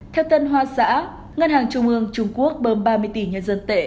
theo tân hoa xã ngân hàng trung ương trung quốc bơm ba mươi tỷ nhân dân tệ